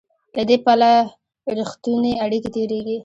له دې پله رښتونې اړیکې تېرېږي.